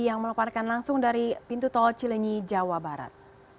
yang meleparkan langsung dari pintu tol cilinyi jawa barat